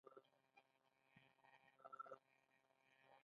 راته وې ویل، د تیارې له خپرېدا سره به پیل شي.